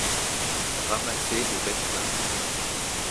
Ramassez vos vêtements.